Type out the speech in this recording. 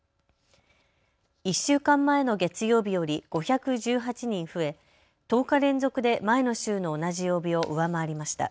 １週間前の月曜日より５１８人増え、１０日連続で前の週の同じ曜日を上回りました。